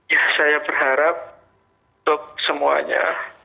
ya saya berharap untuk semuanya